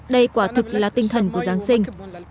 đây quả thực là tinh thần của giáng sinh